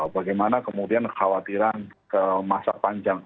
bagaimana kemudian kekhawatiran ke masa panjang